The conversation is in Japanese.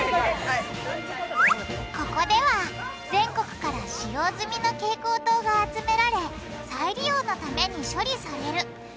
ここでは全国から使用済みの蛍光灯が集められ再利用のために処理される。